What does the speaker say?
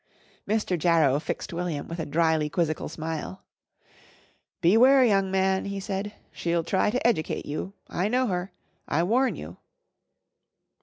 Mr. Jarrow fixed William with a drily quizzical smile. "Beware, young man," he said. "She'll try to educate you. I know her. I warn you."